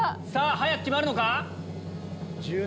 早く決まるのか？